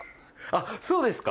あっそうですか！